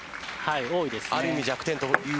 多いですね。